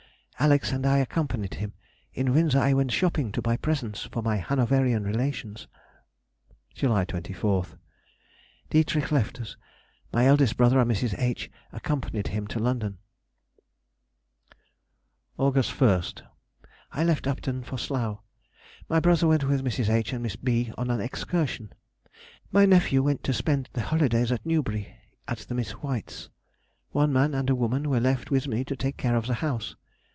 Alex. and I accompanied him. In Windsor I went shopping to buy presents for my Hanoverian relations. July 24th.—D. left us. My eldest brother and Mrs. H. accompanied him to London. August 1st.—I left Upton for Slough. My brother went with Mrs. H. and Miss B. on an excursion. My nephew went to spend the holidays at Newbury, at the Miss Whites. One man and a woman were left with me to take care of the house.